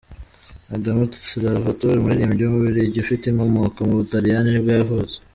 Adamo Salvatore, umuririmbyi w’umubiligi ufite inkomoko mu butaliyani nibwo yavutse.